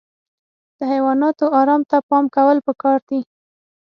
د حیواناتو ارام ته پام کول پکار دي.